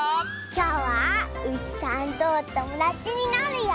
きょうはうしさんとおともだちになるよ！